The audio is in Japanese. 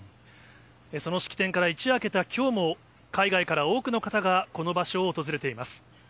その式典から一夜明けたきょうも、海外から多くの方が、この場所を訪れています。